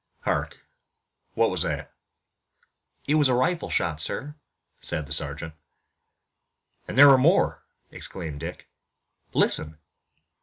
Hark, what was that?" "It was a rifle shot, sir," said the sergeant. "And there are more," exclaimed Dick. "Listen!"